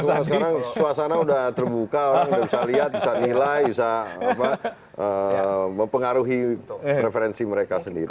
sama sekarang suasana sudah terbuka orang sudah bisa lihat bisa nilai bisa mempengaruhi preferensi mereka sendiri